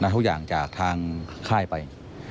ทุกอย่างจากทางค่ายไป